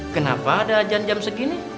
kenapa ada jam jam segini